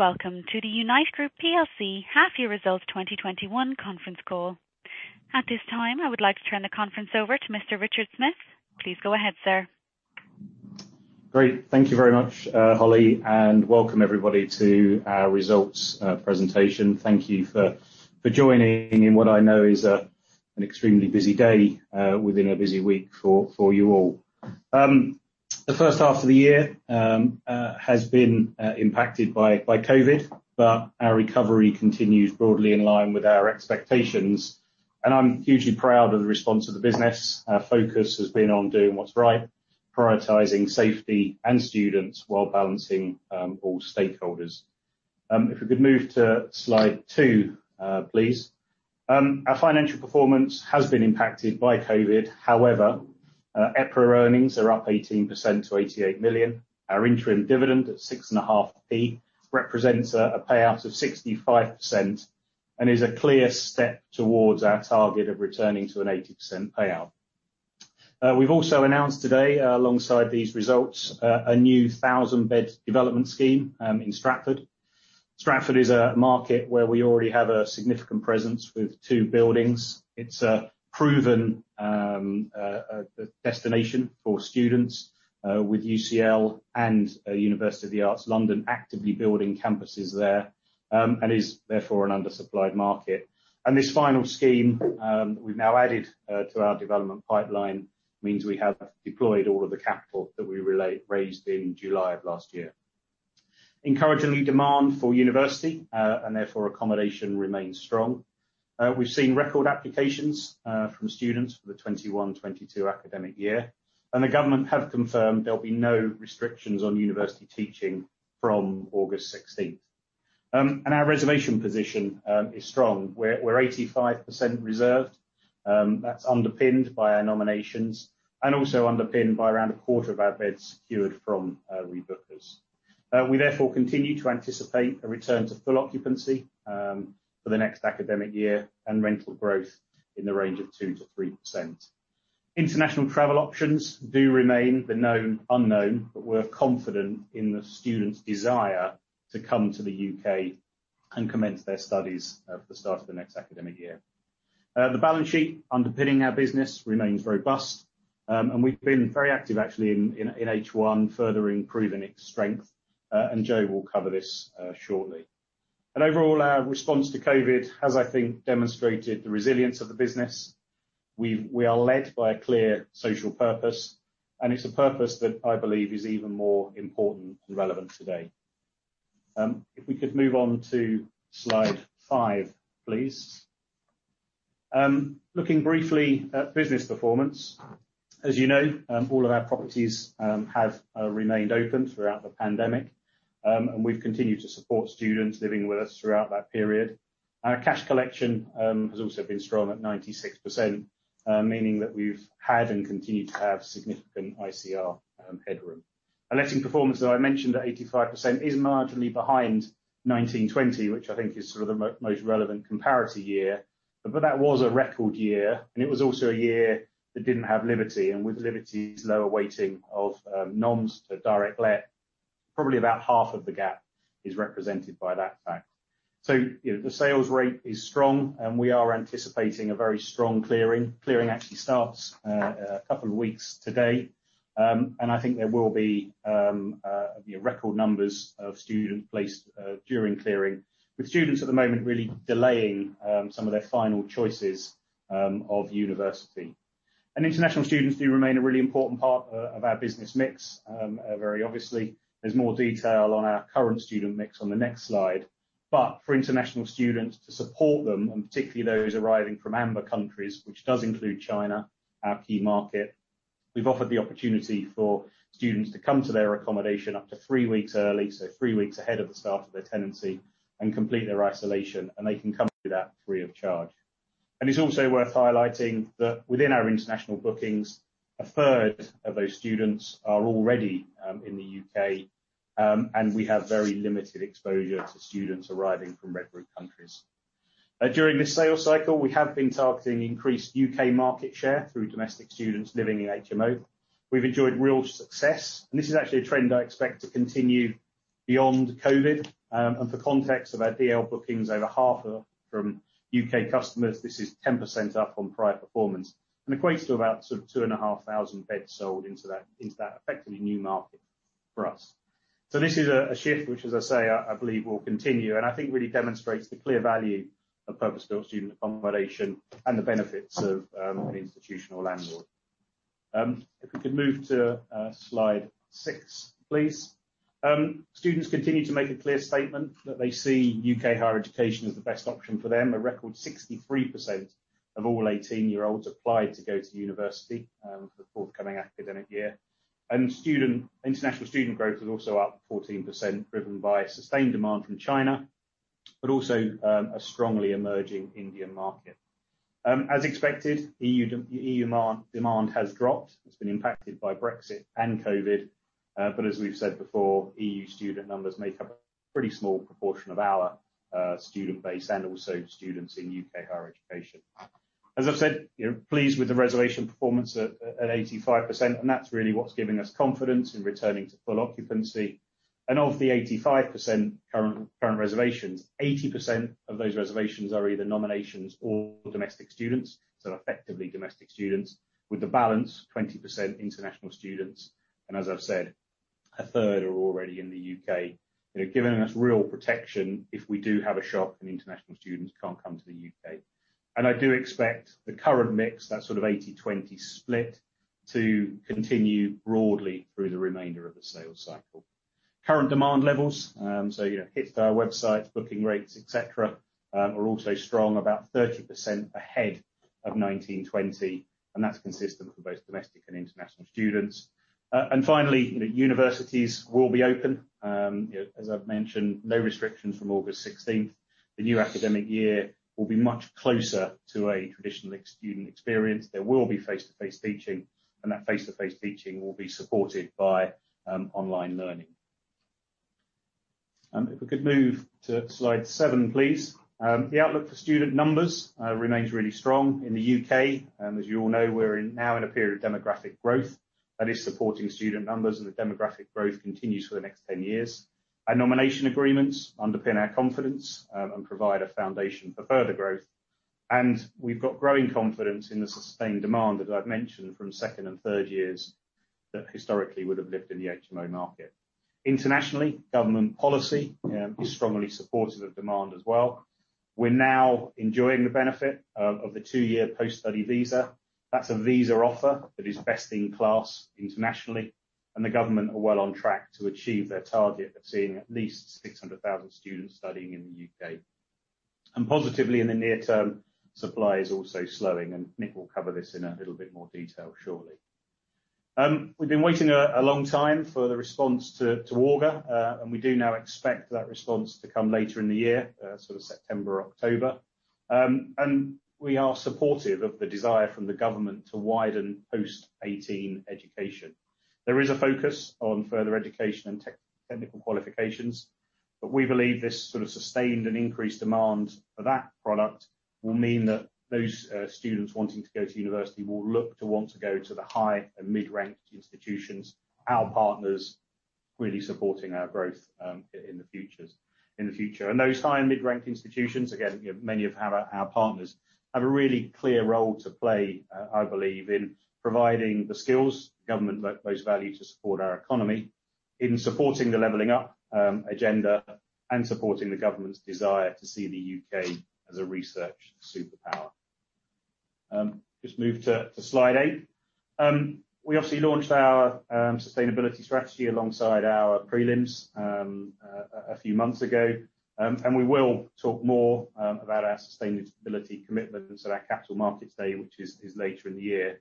Good day, and welcome to the Unite Group PLC half-year results 2021 conference call. At this time, I would like to turn the conference over to Mr. Richard Smith. Please go ahead, sir. Great. Thank you very much, Holly, and welcome everybody to our results presentation. Thank you for joining in what I know is an extremely busy day within a busy week for you all. The first half of the year has been impacted by COVID, but our recovery continues broadly in line with our expectations, and I'm hugely proud of the response of the business. Our focus has been on doing what's right, prioritizing safety and students while balancing all stakeholders. If we could move to Slide two, please. Our financial performance has been impacted by COVID. EPRA earnings are up 18% to 88 million. Our interim dividend at 0.065 represents a payout of 65% and is a clear step towards our target of returning to an 80% payout. We've also announced today, alongside these results, a new 1,000-bed development scheme in Stratford. Stratford is a market where we already have a significant presence with 2 buildings. It's a proven destination for students, with UCL and University of the Arts London actively building campuses there, and is therefore an undersupplied market. This final scheme, we've now added to our development pipeline, means we have deployed all of the capital that we raised in July of last year. Encouragingly, demand for university, and therefore accommodation, remains strong. We've seen record applications from students for the 2021, 2022 academic year, and the government have confirmed there'll be no restrictions on university teaching from August 16th. Our reservation position is strong. We're 85% reserved. That's underpinned by our nominations and also underpinned by around a quarter of our beds secured from rebookers. We therefore continue to anticipate a return to full occupancy for the next academic year and rental growth in the range of 2%-3%. International travel options do remain the known unknown, but we're confident in the students' desire to come to the U.K. and commence their studies at the start of the next academic year. The balance sheet underpinning our business remains robust, and we've been very active actually in H1, further improving its strength, and Joe will cover this shortly. Overall, our response to COVID has, I think, demonstrated the resilience of the business. We are led by a clear social purpose, and it's a purpose that I believe is even more important and relevant today. If we could move on to Slide five, please. Looking briefly at business performance. As you know, all of our properties have remained open throughout the pandemic, and we've continued to support students living with us throughout that period. Our cash collection has also been strong at 96%, meaning that we've had and continue to have significant ICR headroom. Our letting performance, though I mentioned at 85%, is marginally behind 19/20, which I think is sort of the most relevant comparator year. That was a record year, and it was also a year that didn't have Liberty. With Liberty's lower weighting of noms to direct let, probably about half of the gap is represented by that fact. The sales rate is strong, and we are anticipating a very strong clearing. Clearing actually starts a couple of weeks today. I think there will be record numbers of students placed during clearing, with students at the moment really delaying some of their final choices of university. International students do remain a really important part of our business mix, very obviously. There's more detail on our current student mix on the next slide. For international students to support them, particularly those arriving from amber countries, which does include China, our key market, we've offered the opportunity for students to come to their accommodation up to three weeks early, so three weeks ahead of the start of their tenancy, and complete their isolation, and they can come to that free of charge. It's also worth highlighting that within our international bookings, a third of those students are already in the U.K., and we have very limited exposure to students arriving from red route countries. During this sales cycle, we have been targeting increased U.K. market share through domestic students living in HMO. We've enjoyed real success, and this is actually a trend I expect to continue beyond COVID. For context, of our DL bookings, over half are from U.K. customers. This is 10% up on prior performance and equates to about 2,500 beds sold into that effectively new market for us. This is a shift, which, as I say, I believe will continue and I think really demonstrates the clear value of purpose-built student accommodation and the benefits of an institutional landlord. If we could move to Slide 6, please. Students continue to make a clear statement that they see U.K. higher education as the best option for them. A record 63% of all 18-year-olds applied to go to university for the forthcoming academic year. International student growth was also up 14%, driven by sustained demand from China, but also a strongly emerging Indian market. As expected, EU demand has dropped. It's been impacted by Brexit and COVID. As we've said before, EU student numbers make up a pretty small proportion of our student base and also students in U.K. higher education. As I've said, pleased with the reservation performance at 85%, and that's really what's giving us confidence in returning to full occupancy. Of the 85% current reservations, 80% of those reservations are either nominations or domestic students, so effectively domestic students, with the balance 20% international students. As I've said, a third are already in the U.K., giving us real protection if we do have a shock and international students can't come to the U.K. I do expect the current mix, that sort of 80/20 split, to continue broadly through the remainder of the sales cycle. Current demand levels, so hits to our website, booking rates, et cetera, are also strong, about 30% ahead of 19/20, and that's consistent for both domestic and international students. Finally, universities will be open. As I've mentioned, no restrictions from August 16th. The new academic year will be much closer to a traditional student experience. There will be face-to-face teaching, and that face-to-face teaching will be supported by online learning. If we could move to Slide seven, please. The outlook for student numbers remains really strong in the U.K. As you all know, we're now in a period of demographic growth that is supporting student numbers, and the demographic growth continues for the next 10 years. Our nomination agreements underpin our confidence and provide a foundation for further growth. We've got growing confidence in the sustained demand, as I've mentioned, from second and third years that historically would have lived in the HMO market. Internationally, government policy is strongly supportive of demand as well. We're now enjoying the benefit of the two-year post-study visa. That's a visa offer that is best in class internationally, and the government are well on track to achieve their target of seeing at least 600,000 students studying in the U.K. Positively, in the near-term, supply is also slowing, and Nick will cover this in a little bit more detail shortly. We've been waiting a long time for the response to Augar, and we do now expect that response to come later in the year, sort of September or October. We are supportive of the desire from the Government to widen post-18 education. There is a focus on further education and technical qualifications, we believe this sort of sustained and increased demand for that product will mean that those students wanting to go to university will look to want to go to the high- and mid-ranked institutions, our partners really supporting our growth in the future. Those high- and mid-ranked institutions, again, many of our partners, have a really clear role to play, I believe, in providing the skills Government place value to support our economy, in supporting the leveling up agenda, and supporting the Government's desire to see the U.K. as a research superpower. Just move to Slide eight. We obviously launched our sustainability strategy alongside our prelims a few months ago. We will talk more about our sustainability commitments at our Capital Markets Day, which is later in the year.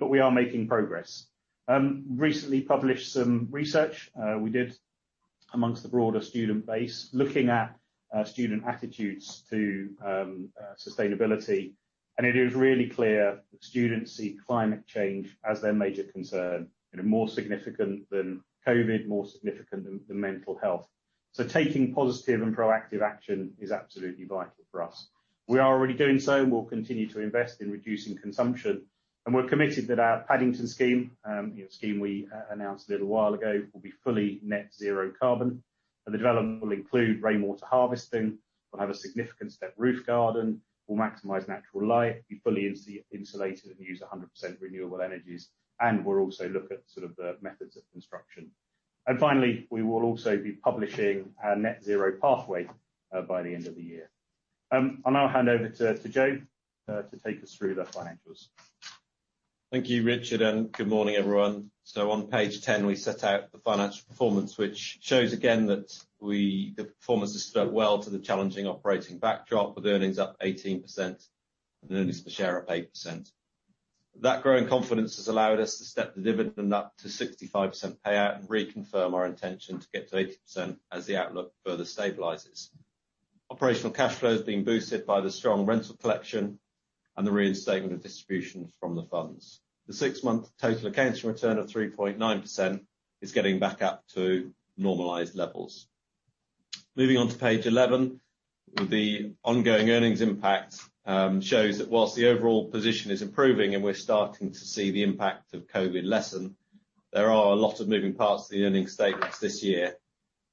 We are making progress. Recently published some research we did amongst the broader student base, looking at student attitudes to sustainability, it is really clear that students see climate change as their major concern, more significant than COVID, more significant than mental health. Taking positive and proactive action is absolutely vital for us. We are already doing so, we'll continue to invest in reducing consumption. We're committed that our Paddington scheme, a scheme we announced a little while ago, will be fully net zero carbon. The development will include rainwater harvesting. We'll have a significant step roof garden. We'll maximize natural light, be fully insulated use 100% renewable energies. We'll also look at sort of the methods of construction. Finally, we will also be publishing our net zero pathway by the end of the year. I'll now hand over to Joe to take us through the financials. Thank you, Richard. Good morning, everyone. On Page 10, we set out the financial performance, which shows again that the performance has stood well to the challenging operating backdrop, with earnings up 18% and earnings per share up 8%. That growing confidence has allowed us to step the dividend up to 65% payout and reconfirm our intention to get to 80% as the outlook further stabilizes. Operational cash flow has been boosted by the strong rental collection and the reinstatement of distribution from the funds. The six-month total accounts return of 3.9% is getting back up to normalized levels. Moving on to page 11. The ongoing earnings impact shows that whilst the overall position is improving and we're starting to see the impact of COVID lessen, there are a lot of moving parts to the earnings statements this year,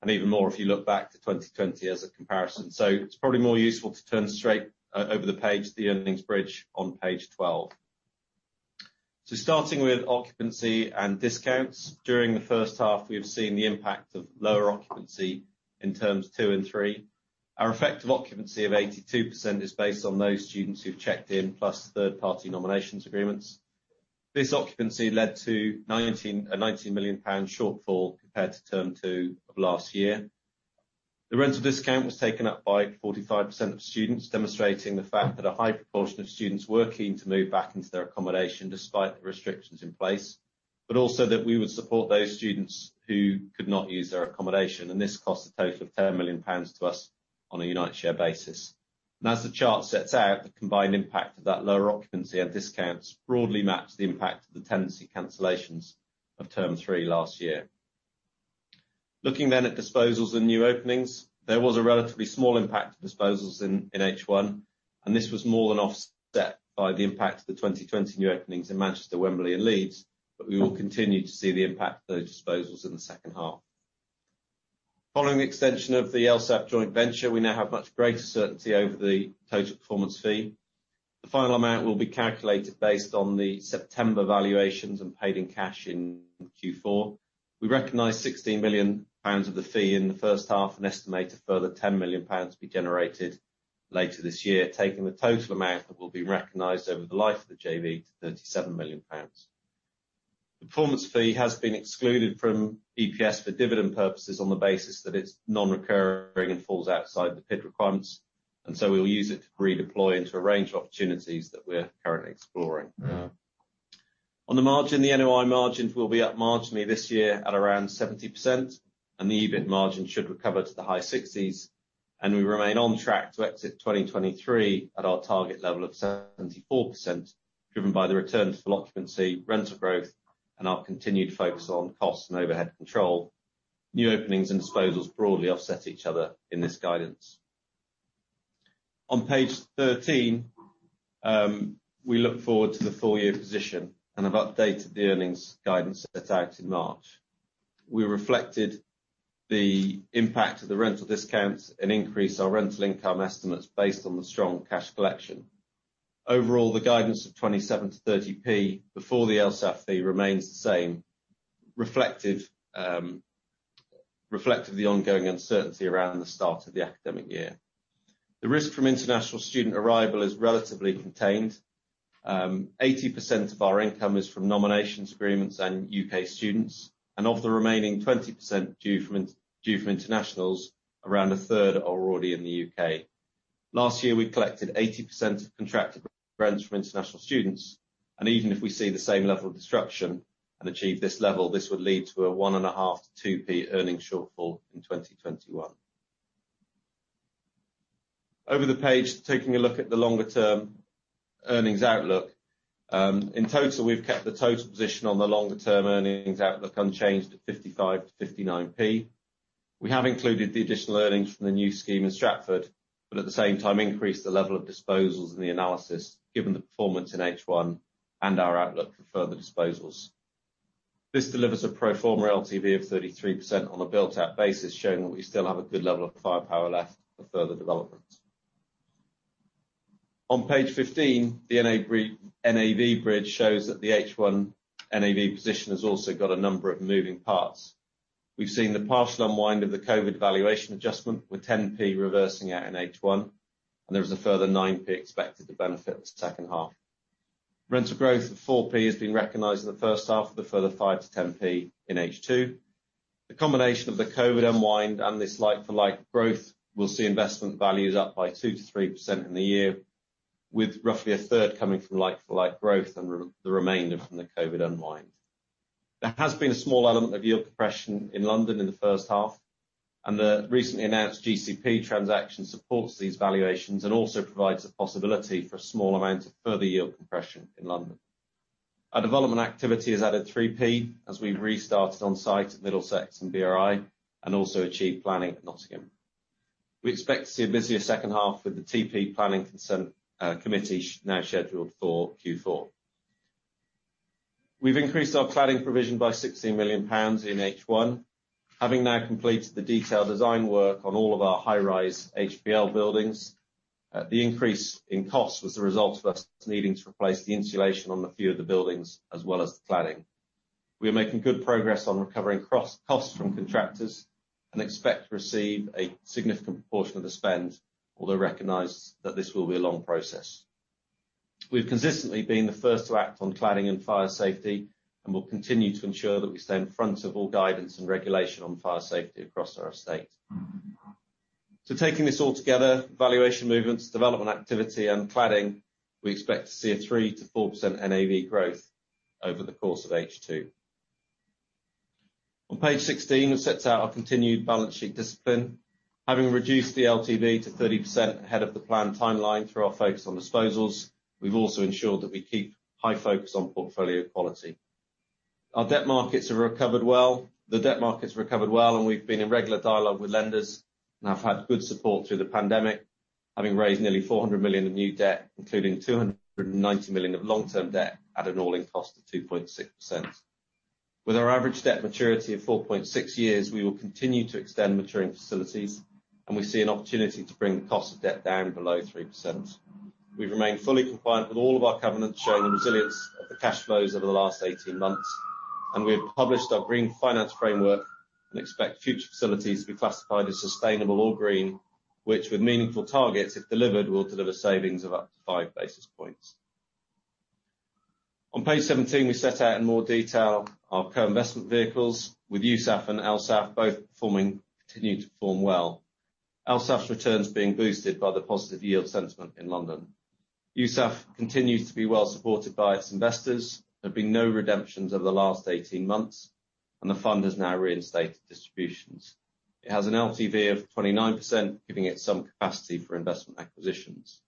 and even more if you look back to 2020 as a comparison. It's probably more useful to turn straight over the page to the earnings bridge on Page 12. Starting with occupancy and discounts, during the first half, we have seen the impact of lower occupancy in terms two and three. Our effective occupancy of 82% is based on those students who've checked in, plus third party nominations agreements. This occupancy led to a 19 million pound shortfall compared to term two of last year. The rental discount was taken up by 45% of students, demonstrating the fact that a high proportion of students were keen to move back into their accommodation despite the restrictions in place, but also that we would support those students who could not use their accommodation, and this cost a total of 10 million pounds to us on a Unite share basis. As the chart sets out, the combined impact of that lower occupancy and discounts broadly match the impact of the tenancy cancellations of term three last year. Looking at disposals and new openings, there was a relatively small impact to disposals in H1, and this was more than offset by the impact of the 2020 new openings in Manchester, Wembley and Leeds, but we will continue to see the impact of those disposals in the second half. Following the extension of the LSAV joint venture, we now have much greater certainty over the total performance fee. The final amount will be calculated based on the September valuations and paid in cash in Q4. We recognize 16 million pounds of the fee in the first half and estimate a further 10 million pounds to be generated later this year, taking the total amount that will be recognized over the life of the JV to 37 million pounds. The performance fee has been excluded from EPS for dividend purposes on the basis that it's non-recurring and falls outside the PID requirements, and so we'll use it to redeploy into a range of opportunities that we're currently exploring. Yeah. On the margin, the NOI margins will be up marginally this year at around 70%, and the EBIT margin should recover to the high 60s, and we remain on track to exit 2023 at our target level of 74%, driven by the return to full occupancy, rental growth, and our continued focus on cost and overhead control. New openings and disposals broadly offset each other in this guidance. On Page 13, we look forward to the full year position, and I've updated the earnings guidance set out in March. We reflected the impact of the rental discounts and increased our rental income estimates based on the strong cash collection. Overall, the guidance of 0.27-0.30 before the USAF fee remains the same, reflective of the ongoing uncertainty around the start of the academic year. The risk from international student arrival is relatively contained. 80% of our income is from nominations, agreements and U.K. students, and of the remaining 20% due from internationals, around 1/3 are already in the U.K. Last year, we collected 80% of contracted rents from international students, and even if we see the same level of disruption and achieve this level, this would lead to a 1.5-2 earnings shortfall in 2021. Over the page, taking a look at the longer-term earnings outlook. In total, we've kept the total position on the longer-term earnings outlook unchanged at 0.55-0.59. We have included the additional earnings from the new scheme in Stratford, but at the same time increased the level of disposals in the analysis, given the performance in H1, and our outlook for further disposals. This delivers a pro forma LTV of 33% on a built-up basis, showing that we still have a good level of firepower left for further developments. On Page 15, the NAV bridge shows that the H1 NAV position has also got a number of moving parts. We've seen the partial unwind of the COVID valuation adjustment, with 0.10 reversing out in H1, and there is a further 0.09 expected to benefit the second half. Rental growth of 0.04 is being recognized in the first half with a further 0.05-0.10 in H2. The combination of the COVID unwind and this like-for-like growth will see investment values up by 2%-3% in the year, with roughly 1/3 coming from like-for-like growth and the remainder from the COVID unwind. There has been a small element of yield compression in London in the first half, and the recently announced GCP transaction supports these valuations and also provides a possibility for a small amount of further yield compression in London. Our development activity has added 0.03, as we've restarted on site at Middlesex and BRI, and also achieved planning at Nottingham. We expect to see a busier second half with the TP Planning Consent Committee now scheduled for Q4. We've increased our cladding provision by 16 million pounds in H1. Having now completed the detailed design work on all of our high-rise HPL buildings, the increase in cost was the result of us needing to replace the insulation on a few of the buildings, as well as the cladding. We are making good progress on recovering costs from contractors, and expect to receive a significant proportion of the spend, although recognize that this will be a long process. We've consistently been the first to act on cladding and fire safety, and will continue to ensure that we stay in front of all guidance and regulation on fire safety across our estate. Taking this all together, valuation movements, development activity and cladding, we expect to see a 3%-4% NAV growth over the course of H2. On Page 16, it sets out our continued balance sheet discipline. Having reduced the LTV to 30% ahead of the planned timeline through our focus on disposals, we've also ensured that we keep high focus on portfolio quality. Our debt markets have recovered well. The debt market's recovered well, and we've been in regular dialogue with lenders, and have had good support through the pandemic, having raised nearly 400 million of new debt, including 290 million of long-term debt at an all-in cost of 2.6%. With our average debt maturity of 4.6 years, we will continue to extend maturing facilities, and we see an opportunity to bring the cost of debt down below 3%. We remain fully compliant with all of our covenants, showing the resilience of the cash flows over the last 18 months. We have published our green finance framework, and expect future facilities to be classified as sustainable or green, which, with meaningful targets, if delivered, will deliver savings of up to 5 basis points. On Page 17, we set out in more detail our co-investment vehicles, with USAF and LSAV both continue to perform well. LSAV's returns being boosted by the positive yield sentiment in London. USAF continues to be well-supported by its investors. There have been no redemptions over the last 18 months, and the fund has now reinstated distributions. It has an LTV of 29%, giving it some capacity for investment acquisitions.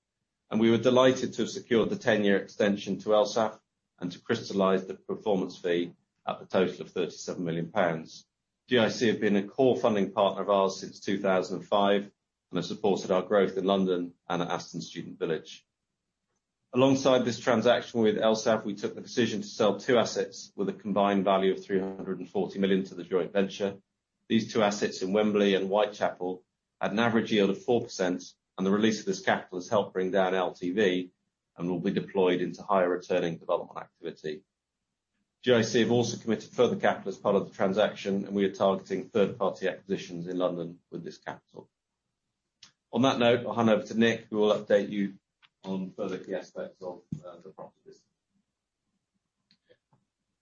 We were delighted to have secured the 10-year extension to LSAV, and to crystallize the performance fee at a total of 37 million pounds. GIC have been a core funding partner of ours since 2005, and have supported our growth in London and at Aston Student Village. Alongside this transaction with LSAV, we took the decision to sell two assets with a combined value of 340 million to the joint venture. These two assets in Wembley and Whitechapel had an average yield of 4%, and the release of this capital has helped bring down LTV and will be deployed into higher returning development activity. GIC have also committed further capital as part of the transaction, and we are targeting third-party acquisitions in London with this capital On that note, I'll hand over to Nick, who will update you on further key aspects of the properties.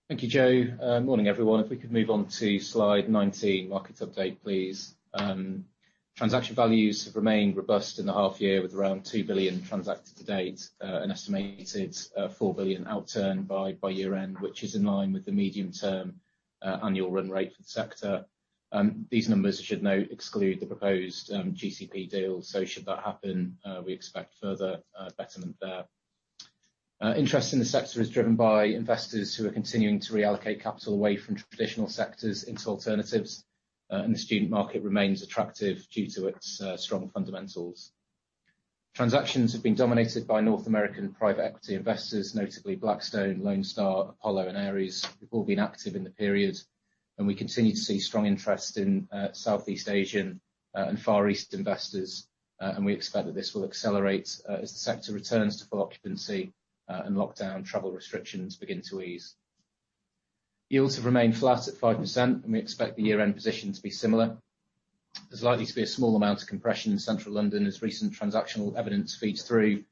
Thank you, Joe. Morning, everyone. If we could move on to Slide 19, market update, please. Transaction values have remained robust in the half year, with around 2 billion transacted to date, an estimated 4 billion outturn by year-end, which is in line with the medium-term annual run rate for the sector. These numbers, you should note, exclude the proposed GCP deal. Should that happen, we expect further betterment there. Interest in the sector is driven by investors who are continuing to reallocate capital away from traditional sectors into alternatives. The student market remains attractive due to its strong fundamentals. Transactions have been dominated by North American private equity investors, notably Blackstone, Lone Star, Apollo and Ares. They've all been active in the period. We continue to see strong interest in Southeast Asian and Far East investors. We expect that this will accelerate as the sector returns to full occupancy, and lockdown travel restrictions begin to ease. Yields have remained flat at 5%. We expect the year-end position to be similar. There's likely to be a small amount of compression in Central London as recent transactional evidence feeds through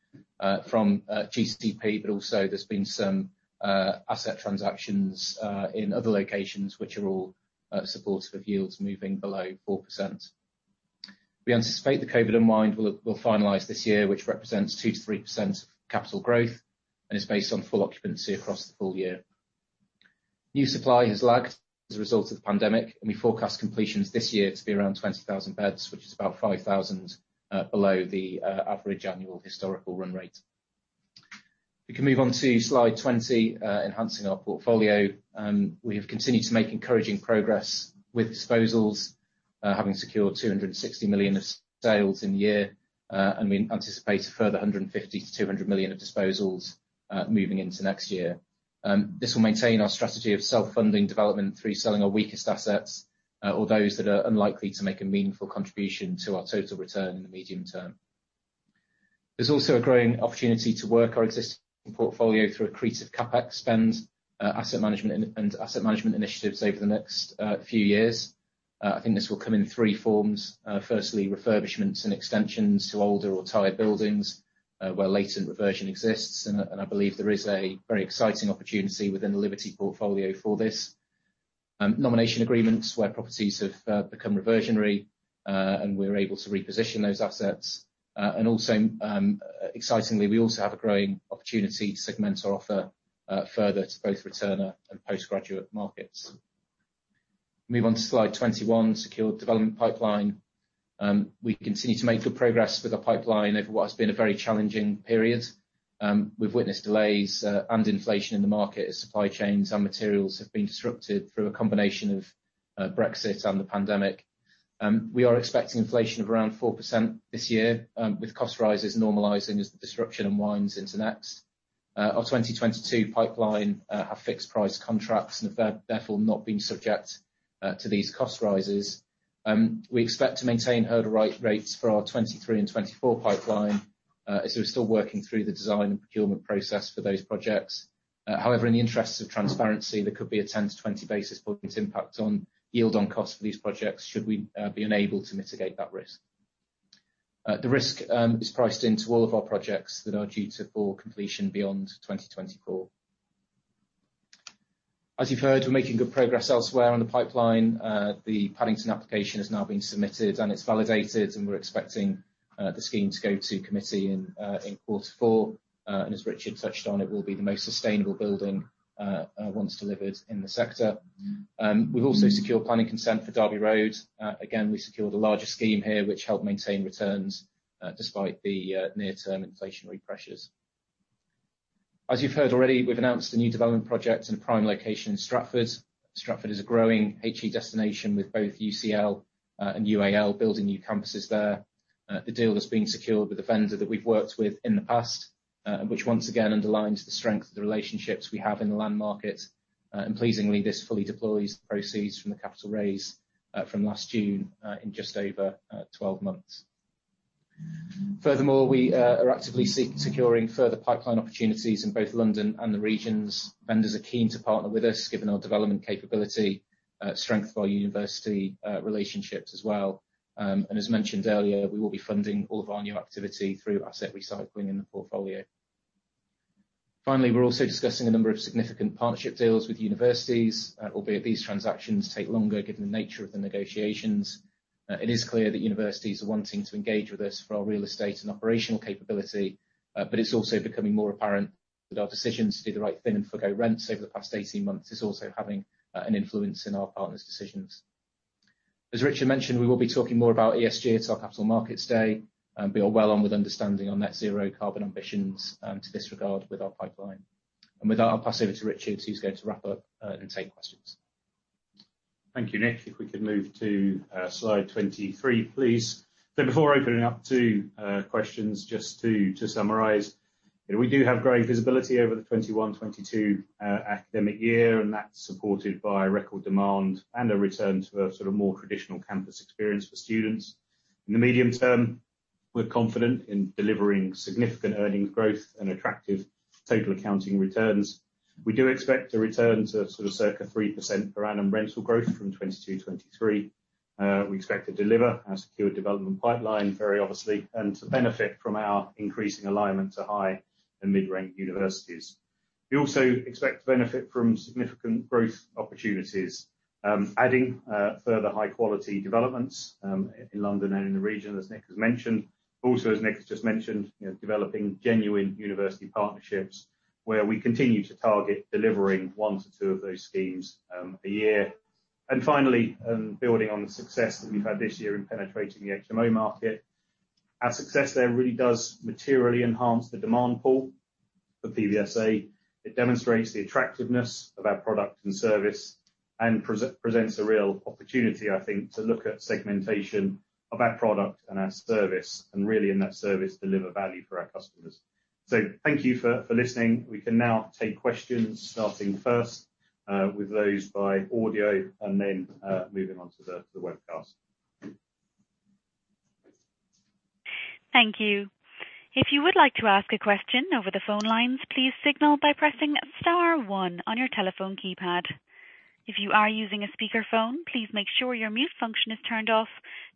from GCP. Also, there's been some asset transactions in other locations, which are all supportive of yields moving below 4%. We anticipate the COVID unwind will finalize this year, which represents 2%-3% capital growth and is based on full occupancy across the full-year. New supply has lagged as a result of the pandemic. We forecast completions this year to be around 20,000 beds, which is about 5,000 below the average annual historical run rate. If we can move on to Slide 20, enhancing our portfolio. We have continued to make encouraging progress with disposals, having secured £GBP 260 million of sales in the year. We anticipate a further 150 million-200 million of disposals moving into next year. This will maintain our strategy of self-funding development through selling our weakest assets or those that are unlikely to make a meaningful contribution to our total return in the medium term. There's also a growing opportunity to work our existing portfolio through accretive CapEx spend and asset management initiatives over the next few years. I think this will come in three forms. Firstly, refurbishments and extensions to older or tired buildings where latent reversion exists, and I believe there is a very exciting opportunity within the Liberty portfolio for this. Nomination agreements where properties have become reversionary, and we're able to reposition those assets. Also, excitingly, we also have a growing opportunity to segment our offer further to both returner and postgraduate markets. Move on to Slide 21, secured development pipeline. We continue to make good progress with the pipeline over what has been a very challenging period. We've witnessed delays and inflation in the market as supply chains and materials have been disrupted through a combination of Brexit and the pandemic. We are expecting inflation of around 4% this year, with cost rises normalizing as the disruption unwinds into next. Our 2022 pipeline have fixed price contracts and have, therefore, not been subject to these cost rises. We expect to maintain hurdle rates for our 2023 and 2024 pipeline, as we're still working through the design and procurement process for those projects. However, in the interests of transparency, there could be a 10-20 basis points impact on yield on cost for these projects should we be unable to mitigate that risk. The risk is priced into all of our projects that are due to full completion beyond 2024. As you've heard, we're making good progress elsewhere on the pipeline. The Paddington application has now been submitted and it's validated. We're expecting the scheme to go to committee in quarter four. As Richard touched on, it will be the most sustainable building, once delivered, in the sector. We've also secured planning consent for Derby Road. Again, we secured a larger scheme here which helped maintain returns despite the near-term inflationary pressures. As you've heard already, we've announced a new development project in a prime location in Stratford. Stratford is a growing HE destination with both UCL and UAL building new campuses there. The deal that's been secured with a vendor that we've worked with in the past, which once again underlines the strength of the relationships we have in the land market. Pleasingly, this fully deploys the proceeds from the capital raise from last June in just over 12 months. Furthermore, we are actively securing further pipeline opportunities in both London and the regions. Vendors are keen to partner with us given our development capability, strength of our university relationships as well. As mentioned earlier, we will be funding all of our new activity through asset recycling in the portfolio. Finally, we're also discussing a number of significant partnership deals with universities, albeit these transactions take longer given the nature of the negotiations. It is clear that universities are wanting to engage with us for our real estate and operational capability, but it's also becoming more apparent that our decision to do the right thing and forgo rents over the past 18 months is also having an influence in our partners' decisions. As Richard mentioned, we will be talking more about ESG at our Capital Markets Day, and we are well on with understanding our net zero carbon ambitions to this regard with our pipeline. With that, I'll pass over to Richard, who's going to wrap up and take questions. Thank you, Nick. If we could move to Slide 23, please. Before opening up to questions, just to summarize, we do have growing visibility over the 2021-2022 academic year, and that's supported by record demand and a return to a sort of more traditional campus experience for students. In the medium-term, we're confident in delivering significant earnings growth and attractive total accounting returns. We do expect to return to circa 3% per annum rental growth from 2022-2023. We expect to deliver our secured development pipeline very obviously, and to benefit from our increasing alignment to high and mid-rank universities. We also expect to benefit from significant growth opportunities, adding further high-quality developments, in London and in the region, as Nick has mentioned. Also, as Nick has just mentioned, developing genuine university partnerships where we continue to target delivering 1-2 of those schemes a year. Finally, building on the success that we've had this year in penetrating the HMO market. Our success there really does materially enhance the demand pool for PBSA. It demonstrates the attractiveness of our product and service and presents a real opportunity, I think, to look at segmentation of our product and our service, and really in that service, deliver value for our customers. Thank you for listening. We can now take questions starting first, with those by audio and then, moving on to the webcast. Thank you. If you would like to ask a question over the phone lines, please signal by pressing star one on your telephone keypad. If you are using a speakerphone, please make sure your mute function is turned off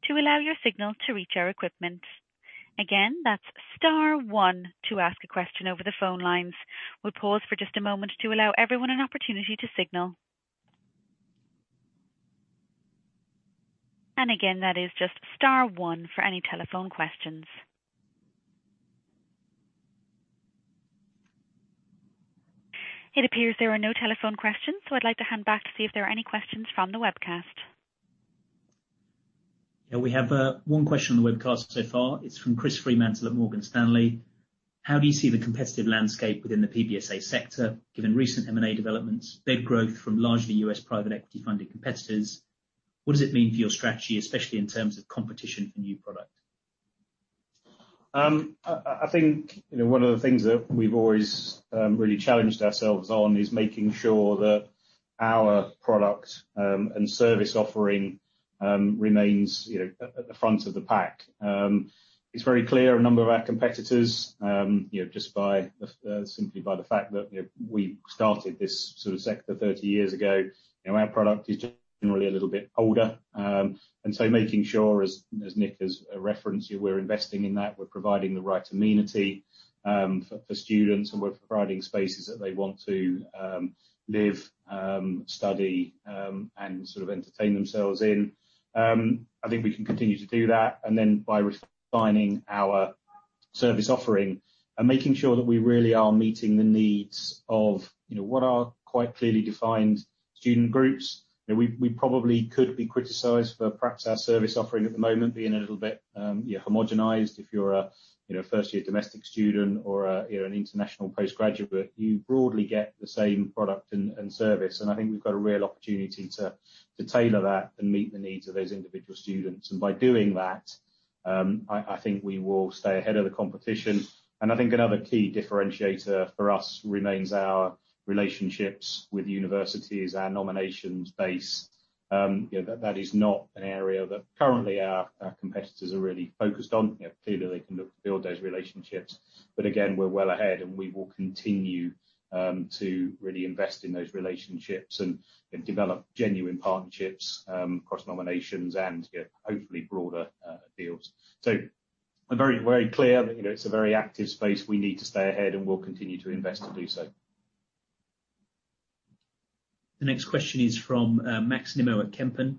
to allow your signal to reach our equipment. Again, that's star one to ask a question over the phone lines. We'll pause for just a moment to allow everyone an opportunity to signal. Again, that is just star one for any telephone questions. It appears there are no telephone questions, so I'd like to hand back to see if there are any questions from the webcast. Yeah, we have one question on the webcast so far. It's from Chris Fremantle at Morgan Stanley. How do you see the competitive landscape within the PBSA sector given recent M&A developments, big growth from largely U.S. private equity-funded competitors? What does it mean for your strategy, especially in terms of competition for new product? I think, one of the things that we've always really challenged ourselves on is making sure that our product, and service offering remains at the front of the pack. It's very clear a number of our competitors, just simply by the fact that we started this sector 30 years ago, our product is generally a little bit older. Making sure as Nick has referenced, we're investing in that, we're providing the right amenity, for students, and we're providing spaces that they want to live, study, and entertain themselves in. I think we can continue to do that then by refining our service offering and making sure that we really are meeting the needs of what are quite clearly defined student groups. We probably could be criticized for perhaps our service offering at the moment being a little bit homogenized if you're a first-year domestic student or an international postgraduate. You broadly get the same product and service, and I think we've got a real opportunity to tailor that and meet the needs of those individual students. By doing that, I think we will stay ahead of the competition. I think another key differentiator for us remains our relationships with universities, our nominations base. That is not an area that currently our competitors are really focused on. Clearly, they can look to build those relationships, but again, we're well ahead, and we will continue to really invest in those relationships and develop genuine partnerships across nominations and hopefully broader deals. I'm very clear that it's a very active space. We need to stay ahead, and we'll continue to invest to do so. The next question is from Max Nimmo at Kempen.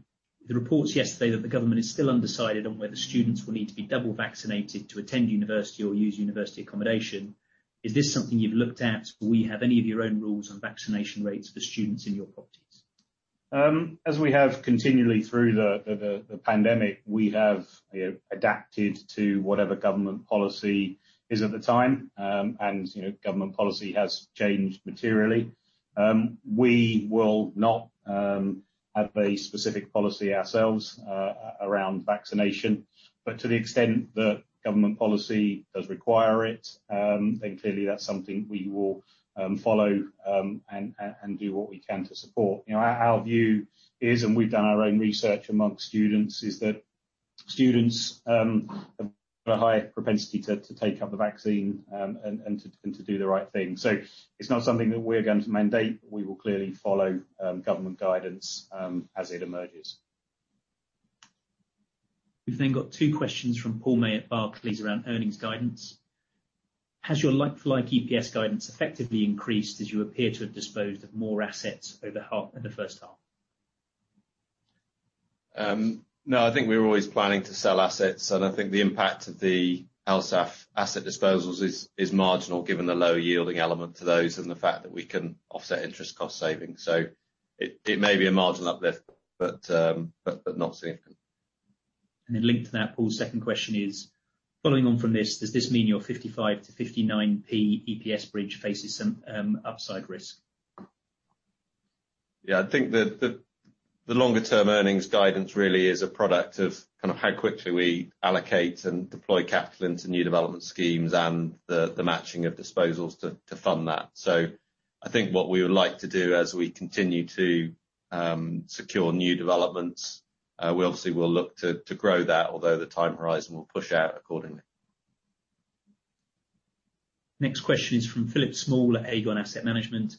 The reports yesterday that the government is still undecided on whether students will need to be double vaccinated to attend university or use university accommodation. Is this something you've looked at or you have any of your own rules on vaccination rates for students in your properties? As we have continually through the pandemic, we have adapted to whatever government policy is at the time. Government policy has changed materially. We will not have a specific policy ourselves around vaccination. To the extent that government policy does require it, then clearly that's something we will follow, and do what we can to support. Our view is, and we've done our own research among students, is that students, have a higher propensity to take up the vaccine, and to do the right thing. It's not something that we're going to mandate, but we will clearly follow government guidance as it emerges. We've then got two questions from Paul May at Barclays around earnings guidance. Has your like-for-like EPS guidance effectively increased as you appear to have disposed of more assets in the first half? No, I think we were always planning to sell assets, and I think the impact of the LSAV asset disposals is marginal given the low yielding element to those and the fact that we can offset interest cost savings. It may be a marginal uplift but not significant. Linked to that, Paul's second question is: Following on from this, does this mean your 0.55-0.59 EPS bridge faces some upside risk? Yeah, I think the longer-term earnings guidance really is a product of how quickly we allocate and deploy capital into new development schemes and the matching of disposals to fund that. I think what we would like to do as we continue to secure new developments, we obviously will look to grow that, although the time horizon will push out accordingly. Next question is from Philip Small at Aegon Asset Management.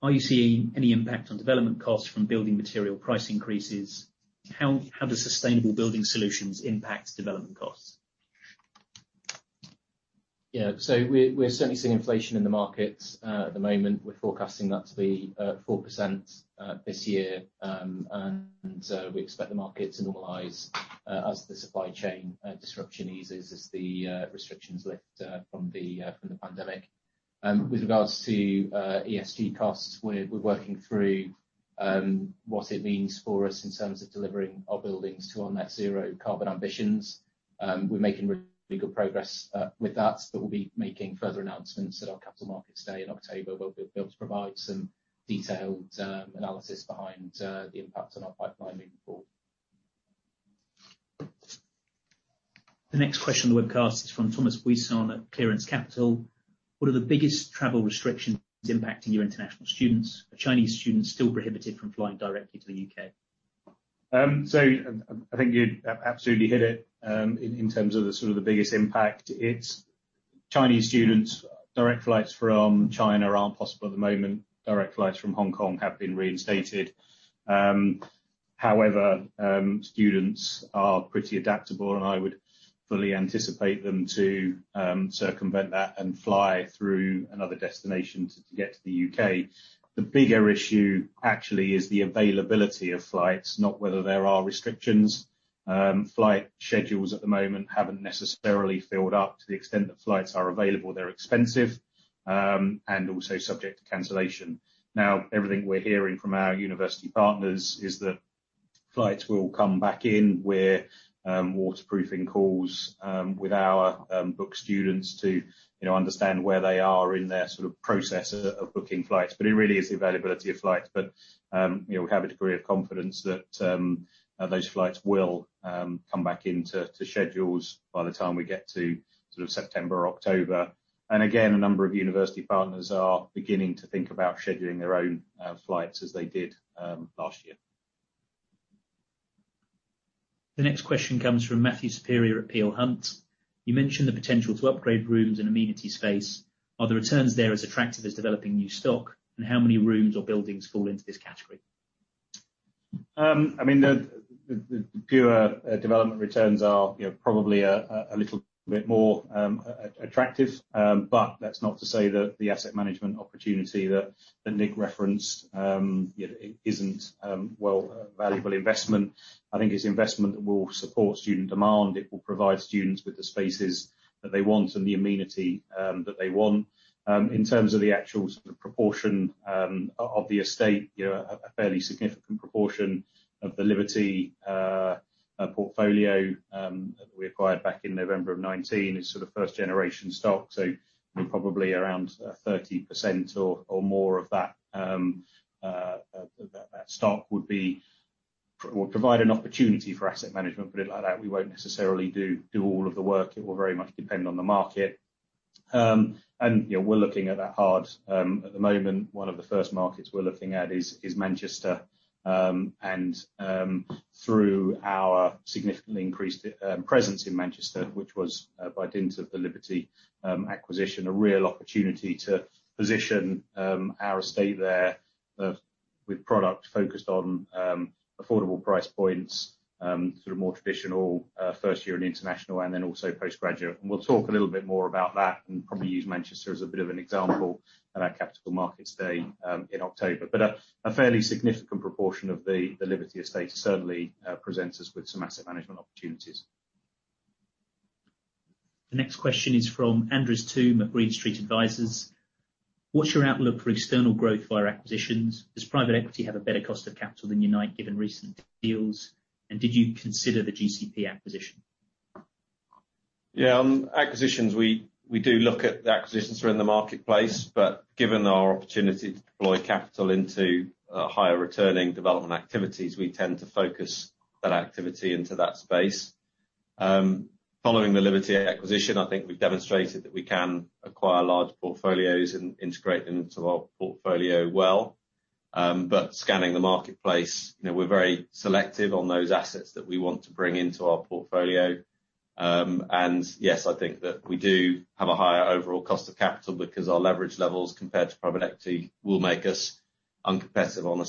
Are you seeing any impact on development costs from building material price increases? How does sustainable building solutions impact development costs? Yeah. We're certainly seeing inflation in the markets. At the moment, we're forecasting that to be 4% this year. We expect the market to normalize as the supply chain disruption eases, as the restrictions lift from the pandemic. With regards to ESG costs, we're working through what it means for us in terms of delivering our buildings to our net zero carbon ambitions. We're making really good progress with that, but we'll be making further announcements at our Capital Markets Day in October where we'll be able to provide some detailed analysis behind the impact on our pipeline moving forward. The next question on the webcast is from Thomas Buisson at Clearance Capital. What are the biggest travel restrictions impacting your international students? Are Chinese students still prohibited from flying directly to the U.K.? I think you absolutely hit it in terms of the sort of the biggest impact. It's Chinese students. Direct flights from China aren't possible at the moment. Direct flights from Hong Kong have been reinstated. However, students are pretty adaptable and I would fully anticipate them to circumvent that and fly through another destination to get to the U.K. The bigger issue actually is the availability of flights, not whether there are restrictions. Flight schedules at the moment haven't necessarily filled up. To the extent that flights are available, they're expensive, and also subject to cancellation. Everything we're hearing from our university partners is that flights will come back in. We're waterproofing calls with our booked students to understand where they are in their sort of process of booking flights. It really is the availability of flights. We have a degree of confidence that those flights will come back into schedules by the time we get to sort of September or October. Again, a number of university partners are beginning to think about scheduling their own flights as they did last year. The next question comes from Matthew Saperia at Peel Hunt. You mentioned the potential to upgrade rooms and amenity space. Are the returns there as attractive as developing new stock? How many rooms or buildings fall into this category? The pure development returns are probably a little bit more attractive. That's not to say that the asset management opportunity that Nick referenced isn't a valuable investment. I think it's investment that will support student demand. It will provide students with the spaces that they want and the amenity that they want. In terms of the actual sort of proportion of the estate, a fairly significant proportion of the Liberty portfolio that we acquired back in November of 2019 is sort of first generation stock. Probably around 30% or more of that stock would provide an opportunity for asset management, put it like that. We won't necessarily do all of the work. It will very much depend on the market. We're looking at that hard at the moment. One of the first markets we're looking at is Manchester. Through our significantly increased presence in Manchester, which was by dint of the Liberty acquisition, a real opportunity to position our estate there with product focused on affordable price points, sort of more traditional first year and international, and then also post-graduate. We'll talk a little bit more about that and probably use Manchester as a bit of an example at our Capital Markets Day in October. A fairly significant proportion of the Liberty estate certainly presents us with some asset management opportunities. The next question is from Andres Toome, at Green Street Advisors. What's your outlook for external growth via acquisitions? Does private equity have a better cost of capital than Unite given recent deals? Did you consider the GCP acquisition? Yeah. On acquisitions, we do look at the acquisitions that are in the marketplace, but given our opportunity to deploy capital into higher returning development activities, we tend to focus that activity into that space. Following the Liberty acquisition, I think we've demonstrated that we can acquire large portfolios and integrate them into our portfolio well. Scanning the marketplace, we're very selective on those assets that we want to bring into our portfolio. Yes, I think that we do have a higher overall cost of capital because our leverage levels compared to private equity will make us uncompetitive on a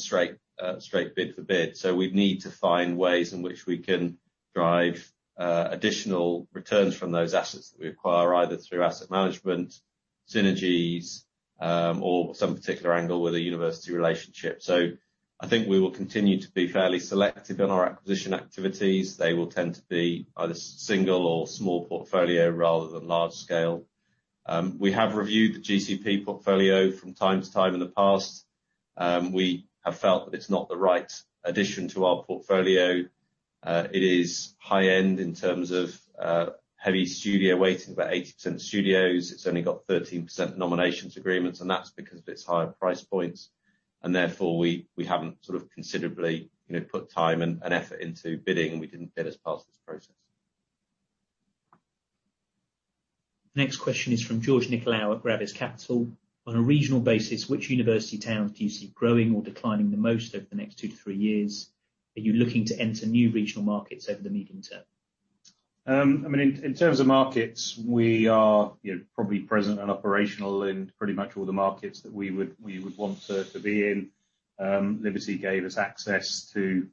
straight bid for bid. We need to find ways in which we can drive additional returns from those assets that we acquire, either through asset management synergies or some particular angle with a university relationship. I think we will continue to be fairly selective in our acquisition activities. They will tend to be either single or small portfolio rather than large scale. We have reviewed the GCP portfolio from time to time in the past. We have felt that it's not the right addition to our portfolio. It is high-end in terms of heavy studio weighting, about 80% studios. It's only got 13% nominations agreements, and that's because of its higher price points, and therefore we haven't sort of considerably put time and effort into bidding, and we didn't get as far as this process. Next question is from George Nicolau at Gravis Capital. On a regional basis, which university towns do you see growing or declining the most over the next two to three years? Are you looking to enter new regional markets over the medium term? In terms of markets, we are probably present and operational in pretty much all the markets that we would want to be in. Liberty gave us access to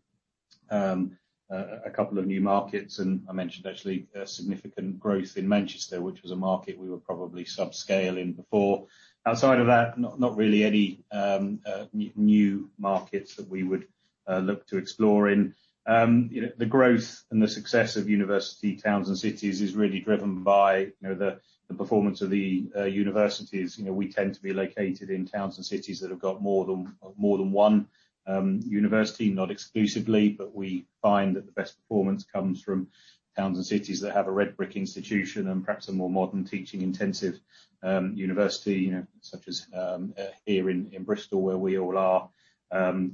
a couple of new markets, and I mentioned actually a significant growth in Manchester, which was a market we were probably sub-scaling before. Outside of that, not really any new markets that we would look to explore in. The growth and the success of university towns and cities is really driven by the performance of the universities. We tend to be located in towns and cities that have got more than one university, not exclusively, but we find that the best performance comes from towns and cities that have a red brick institution and perhaps a more modern teaching-intensive university, such as here in Bristol, where we all are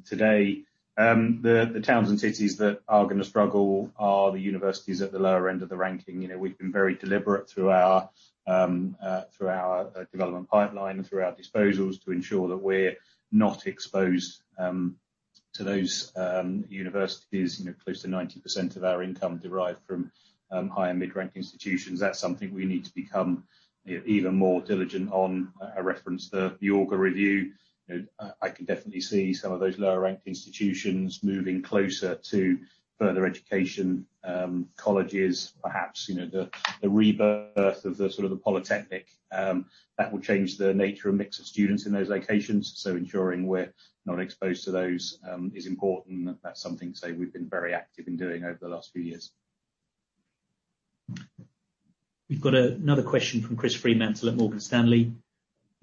today. The towns and cities that are going to struggle are the universities at the lower end of the ranking. We've been very deliberate through our development pipeline and through our disposals to ensure that we're not exposed to those universities. Close to 90% of our income derived from high and mid-rank institutions. That's something we need to become even more diligent on. I referenced the Augar review. I can definitely see some of those lower-ranked institutions moving closer to further education, colleges, perhaps, the rebirth of the sort of the polytechnic, that will change the nature and mix of students in those locations. Ensuring we're not exposed to those is important. That's something, say, we've been very active in doing over the last few years. We've got another question from Chris Fremantle at Morgan Stanley.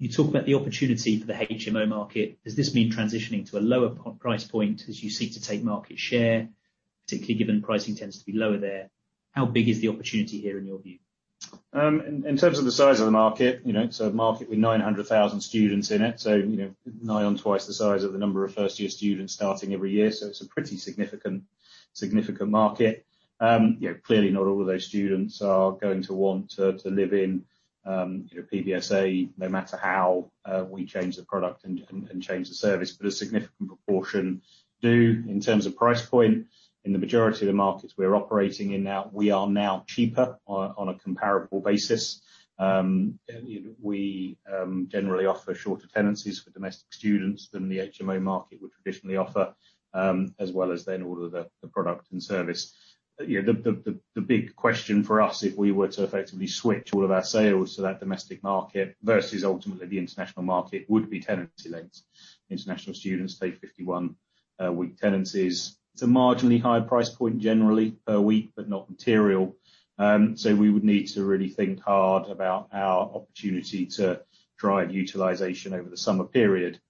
You talk about the opportunity for the HMO market. Does this mean transitioning to a lower price point as you seek to take market share, particularly given pricing tends to be lower there? How big is the opportunity here in your view? In terms of the size of the market, it's a market with 900,000 students in it, so nigh on twice the size of the number of first-year students starting every year. It's a pretty significant market. Clearly, not all of those students are going to want to live in PBSA, no matter how we change the product and change the service, but a significant proportion do. In terms of price point, in the majority of the markets we're operating in now, we are now cheaper on a comparable basis. We generally offer shorter tenancies for domestic students than the HMO market would traditionally offer, as well as then all of the product and service. The big question for us, if we were to effectively switch all of our sales to that domestic market versus ultimately the international market, would be tenancy lengths. International students take 51-week tenancies. It's a marginally higher price point generally per week, but not material. We would need to really think hard about our opportunity to drive utilization over the summer period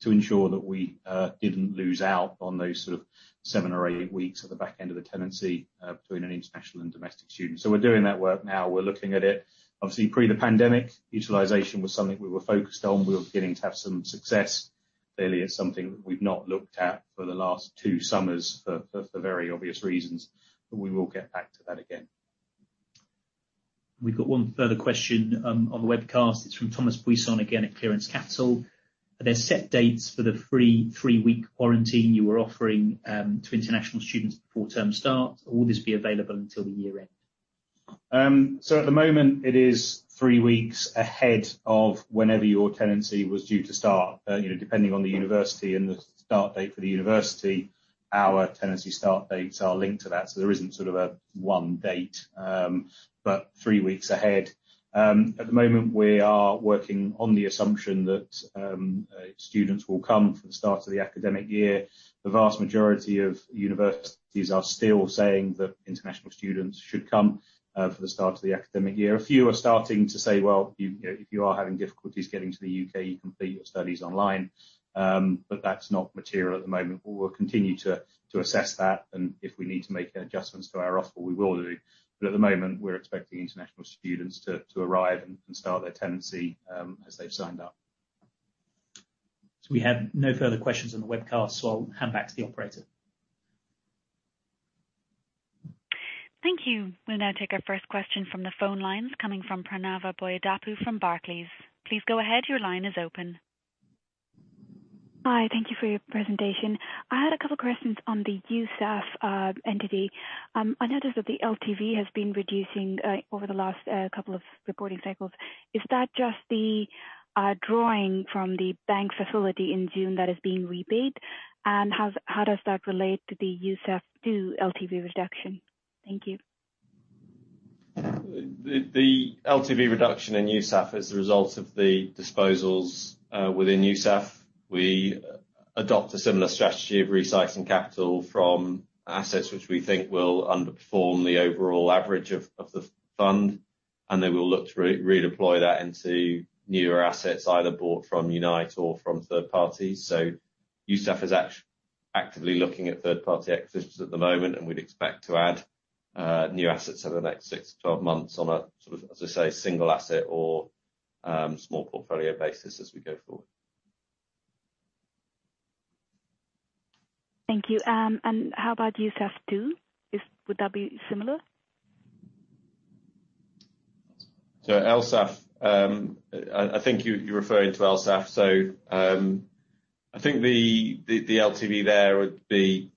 to ensure that we didn't lose out on those sort of seven or eight weeks at the back end of a tenancy between an international and domestic student. We're doing that work now. We're looking at it. Obviously, pre the pandemic, utilization was something we were focused on. We were beginning to have some success. Clearly, it's something that we've not looked at for the last two summers for very obvious reasons, but we will get back to that again. We've got one further question on the webcast. It's from Thomas Buisson, again at Clearance Capital. Are there set dates for the free three-week quarantine you were offering to international students before term start? Will this be available until the year-end? At the moment, it is three weeks ahead of whenever your tenancy was due to start. Depending on the university and the start date for the university, our tenancy start dates are linked to that, so there isn't sort of a one date, but three weeks ahead. At the moment, we are working on the assumption that students will come for the start of the academic year. The vast majority of universities are still saying that international students should come for the start of the academic year. A few are starting to say, Well, if you are having difficulties getting to the U.K., you complete your studies online. That's not material at the moment. We will continue to assess that, and if we need to make any adjustments to our offer, we will do. At the moment, we're expecting international students to arrive and start their tenancy as they've signed up. We have no further questions on the webcast, so I'll hand back to the operator. Thank you. We'll now take our first question from the phone lines, coming from Pranava Boyidapu from Barclays. Please go ahead, your line is open. Hi, thank you for your presentation. I had a couple questions on the USAF entity. I noticed that the LTV has been reducing over the last couple of reporting cycles. Is that just the drawing from the bank facility in June that is being repaid? How does that relate to the USAF to LTV reduction? Thank you. The LTV reduction in USAF is the result of the disposals within USAF. We adopt a similar strategy of recycling capital from assets which we think will underperform the overall average of the fund, and then we'll look to redeploy that into newer assets, either bought from Unite or from third parties. USAF is actively looking at third-party acquisitions at the moment, and we'd expect to add new assets over the next 6-12 months on a, as I say, single asset or small portfolio basis as we go forward. Thank you. How about (USAF) II? Would that be similar? I think you're referring to LSAV. I think the LTV there would be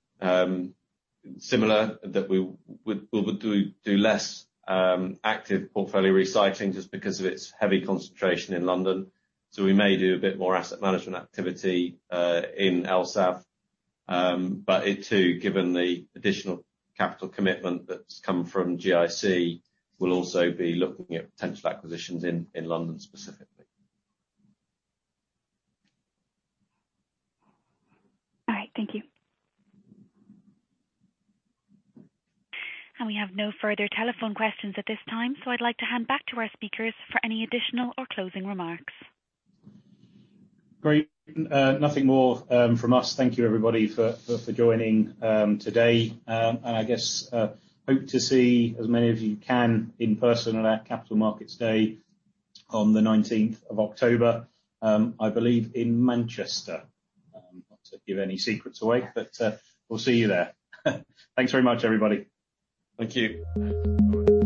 similar that we would do less active portfolio recycling just because of its heavy concentration in London. We may do a bit more asset management activity in LSAV. It too, given the additional capital commitment that's come from GIC, we'll also be looking at potential acquisitions in London specifically. All right. Thank you. We have no further telephone questions at this time, so I'd like to hand back to our speakers for any additional or closing remarks. Great. Nothing more from us. Thank you everybody for joining today. I guess, hope to see as many of you as can in person at our Capital Markets Day on the 19th of October, I believe in Manchester. Not to give any secrets away, but we'll see you there. Thanks very much, everybody. Thank you.